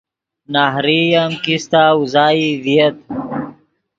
نہریئی ام کیستہ اوزائی ڤییت